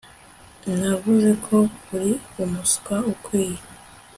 Navuze ko uri umuswa ukwiye